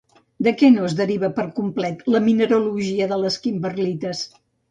De què no es deriva per complet la mineralogia de les kimberlites?